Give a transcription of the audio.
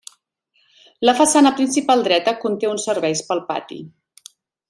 La façana principal dreta conté uns serveis pel pati.